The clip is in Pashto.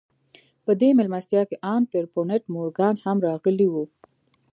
په دې مېلمستيا کې ان پيرپونټ مورګان هم راغلی و.